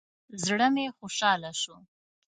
زړه مې خوشاله شو.